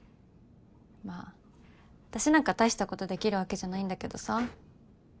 まあ私なんか大したことできるわけじゃないんだけどさ。